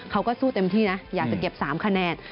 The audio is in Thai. เขาก็สู้เต็มที่นะอยากจะเก็บ๓คะแนน